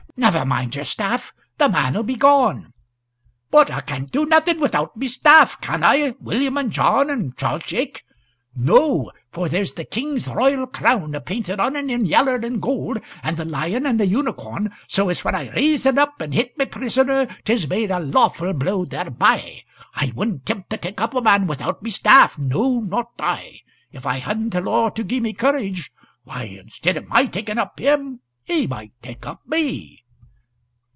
never mind your staff the man'll be gone!" "But I can't do nothing without my staff can I, William, and John, and Charles Jake? No; for there's the king's royal crown a painted on en in yaller and gold, and the lion and the unicorn, so as when I raise en up and hit my prisoner't is made a lawful blow thereby. I wouldn't 'tempt to take up a man without my staff no, not I. If I hadn't the law to gie me courage, why, instead o' my taking him up he might take up me!"